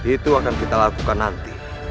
itu akan kita lakukan nanti